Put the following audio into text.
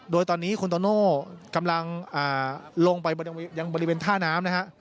โดยตอนนี้คุณโตโน่กำลังลงไปยังบริเวณท่าน้ำนะฮะ